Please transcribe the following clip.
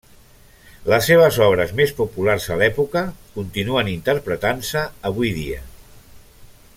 Les seves obres més populars a l'època continuen interpretant-se avui dia.